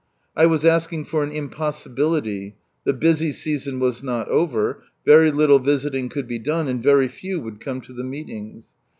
I was asking for an impossibility. The busy season was not over ; very little visiting could be done, and very few would come to the meetings.